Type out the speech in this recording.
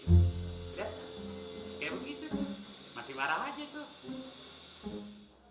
kayak begitu masih warang aja tuh